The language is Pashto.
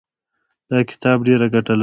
دا کتاب ډېره ګټه لري.